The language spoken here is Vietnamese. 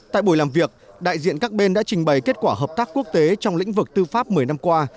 tại buổi làm việc đại diện các bên đã trình bày kết quả hợp tác quốc tế trong lĩnh vực tư pháp một mươi năm qua